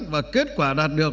và kết quả đạt được